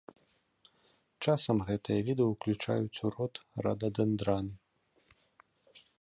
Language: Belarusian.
Часам гэтыя віды ўключаюць у род рададэндран.